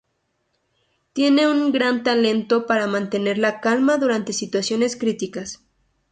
Tiene un gran talento para mantener la calma durante situaciones críticas.